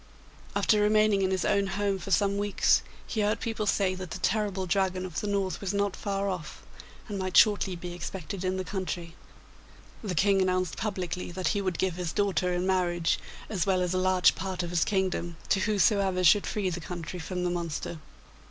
After remaining in his own home for some weeks, he heard people say that the terrible Dragon of the North was not far off, and might shortly be expected in the country. The King announced publicly that he would give his daughter in marriage, as well as a large part of his kingdom, to whosoever should free the country from the monster.